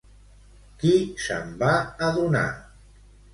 Qui se'n va adonar?